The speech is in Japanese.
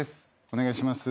お願いします。